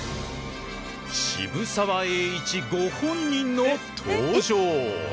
渋沢栄一ご本人の登場。